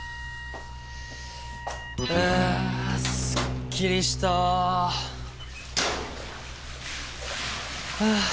ああすっきりした！ああ。